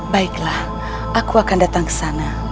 baiklah aku akan datang kesana